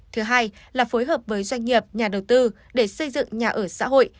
thứ hai là phối hợp với doanh nghiệp nhà đầu tư để xây dựng nhà ở xã hội